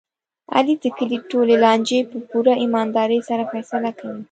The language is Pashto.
علي د کلي ټولې لانجې په پوره ایماندارۍ سره فیصله کوي.